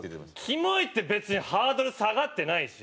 「キモい」って別にハードル下がってないし。